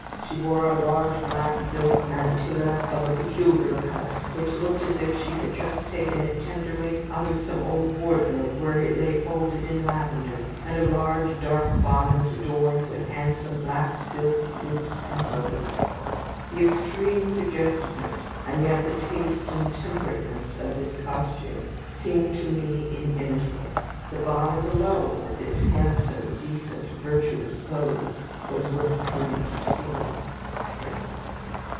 She wore a large black silk mantilla of a peculiar cut, which looked as if she had just taken it tenderly out of some old wardrobe where it lay folded in lavender, and a large dark bonnet, adorned with handsome black silk loops and bows. The extreme suggestiveness, and yet the taste and temperateness of this costume, seemed to me inimitable. The bonnet alone, with its handsome, decent, virtuous bows, was worth coming to see."